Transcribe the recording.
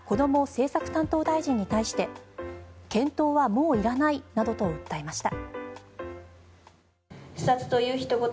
政策担当大臣に対して検討はもういらないなどと訴えました。